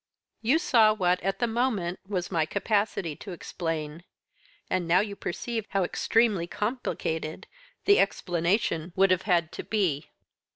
"You saw what, at the moment, was my capacity to explain, and now you perceive how extremely complicated the explanation would have had to be."